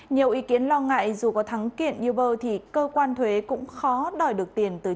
nhiều ý kiến lo ngại dù có thắng kiện uber thì cơ quan thuế cũng khó đòi được tiền từ uber